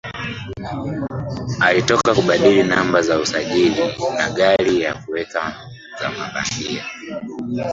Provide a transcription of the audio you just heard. Alitoka na kubadili namba za usajili wa gari na kuweka za bandia